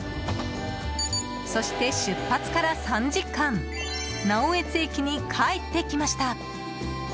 そして出発から３時間直江津駅に帰ってきました。